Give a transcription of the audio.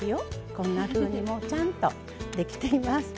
こんなふうにもうちゃんとできています。